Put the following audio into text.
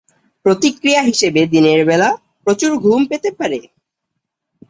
প্রতিক্রিয়া হিসেবে দিনের বেলা প্রচুর ঘুম পেতে পারে।